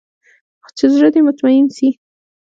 چې زړه دې مطمين سي.